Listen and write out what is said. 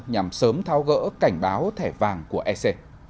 nhằm sớm thao gỡ cảnh báo thẻ vàng của ec